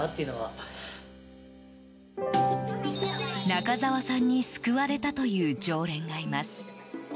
中沢さんに救われたという常連がいます。